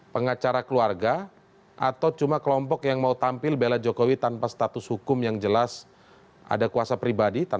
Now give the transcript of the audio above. pengacara keluarga atau cuma kelompok yang mau tampil bela jokowi tanpa status hukum yang jelas ada kuasa pribadi